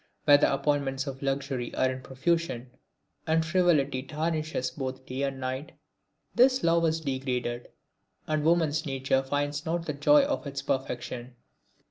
Where the appointments of luxury are in profusion, and frivolity tarnishes both day and night, this love is degraded, and woman's nature finds not the joy of its perfection.